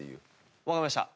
わかりました。